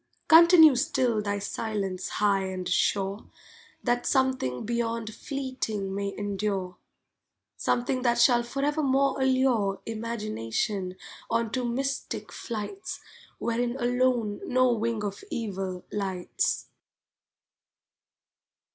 Continue still thy silence high and sure, That something beyond fleeting may endure Something that shall forevermore allure Imagination on to mystic flights Wherein alone no wing of Evil lights.